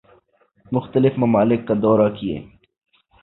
مختلف ممالک کا دورہ کیے